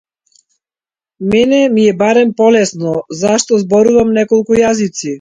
Мене ми е барем полесно зашто зборувам неколку јазици.